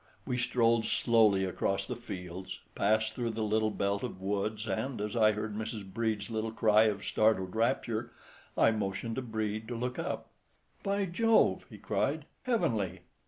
We strolled slowly across the fields, passed through the little belt of woods and, as I heard Mrs. Brede's little cry of startled rapture, I motioned to Brede to look up. "By Jove!" he cried, "heavenly!"